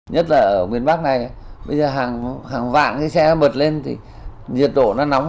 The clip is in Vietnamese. nhất là ở miền bắc này bây giờ hàng vạn cái xe bật lên thì nhiệt độ nó nóng